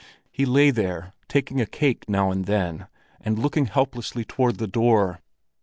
He lay there, taking a cake now and then, and looking helplessly toward the door.